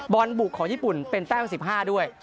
บอลบุกของญี่ปุ่นเป็นแต้ม๑๕ด้วย